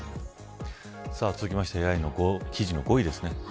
続きましてＡＩの記事の５位ですね。